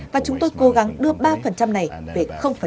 và chúng tôi cố gắng đưa ba này về